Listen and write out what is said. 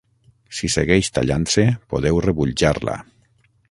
Si segueix tallant-se, podeu rebutjar-la.